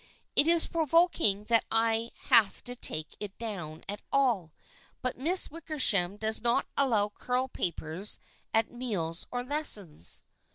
It is provoking that I have to take it down at all, but Miss Wickersham does not allow curl papers at meals or lessons."